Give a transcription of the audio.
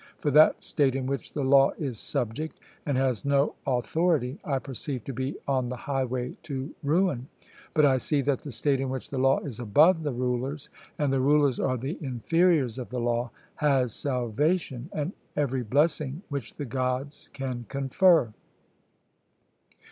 For that state in which the law is subject and has no authority, I perceive to be on the highway to ruin; but I see that the state in which the law is above the rulers, and the rulers are the inferiors of the law, has salvation, and every blessing which the Gods can confer.